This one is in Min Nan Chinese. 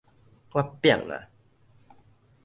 我砰啊